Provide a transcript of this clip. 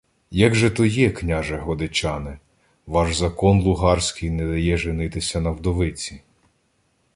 — Як же то є, княже Годечане? Ваш закон лугарський не дає женитися на вдовиці.